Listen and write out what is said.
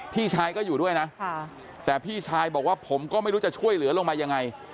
พี่ชายก็อยู่ด้วยนะแต่พี่ชายบอกว่าผมก็ไม่รู้จะช่วยเหลือลงมายังไง